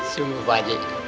sungguh pak haji